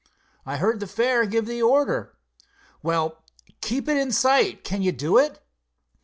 "I heard the fare give the order." "Well, keep it in sight. Can you do it?"